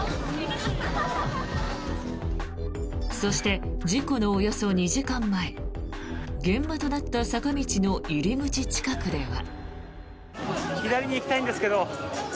そして、事故のおよそ２時間前現場となった坂道の入り口近くでは。